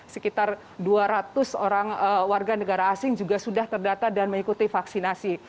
sekitar dua ratus orang warga negara asing juga sudah terdata dan mengikuti vaksinasi